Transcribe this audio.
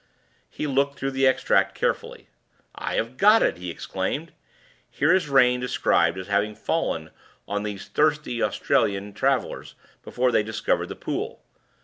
He looked through the extract carefully. "I have got it!" he exclaimed. "Here is rain described as having fallen on these thirsty Australian travelers, before they discovered the pool.